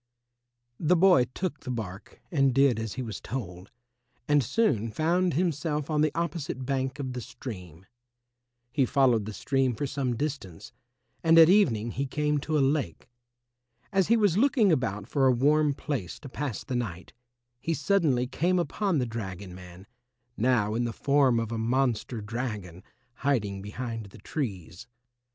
The boy took the bark and did as he was told, and soon found himself on the opposite bank of the stream. He followed the stream for some distance, and at evening he came to a lake. As he was looking about for a warm place to pass the night, he suddenly came upon the dragon man, now in the form of a monster dragon, hiding behind the trees.